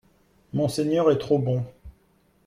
Monseigneur est trop bon